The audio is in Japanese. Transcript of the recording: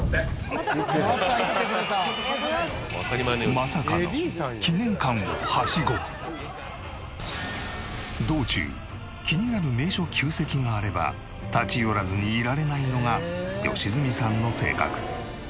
まさかの道中気になる名所旧跡があれば立ち寄らずにいられないのが良純さんの性格。